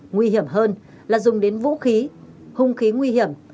nguy hiểm hơn là dùng đến vũ khí hung khí nguy hiểm